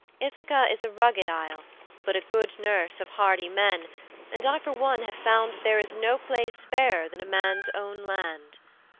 Ithaka is a rugged isle, but a good nurse of hardy men, and I, for one, have found that there is no place fairer than a man's own land.